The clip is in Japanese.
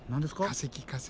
化石化石。